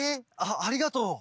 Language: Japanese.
ありがとう。